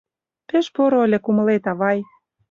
Пеш поро ыле кумылет, авай.